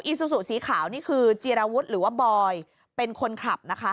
ซูซูสีขาวนี่คือจีรวุฒิหรือว่าบอยเป็นคนขับนะคะ